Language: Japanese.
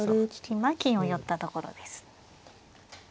今金を寄ったところです。